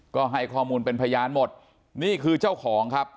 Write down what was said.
ก็ให้ข้อมูลเป็นพยานหมดนี่คือเจ้าของครับ